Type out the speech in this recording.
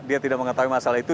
dia tidak mengetahui masalah itu